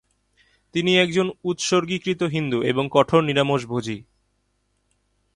তিনি একজন উৎসর্গীকৃত হিন্দু এবং কঠোর নিরামিষভোজী।